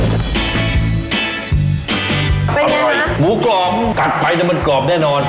อร่อยหมูกรอบกัดไปมันกรอบแน่นอน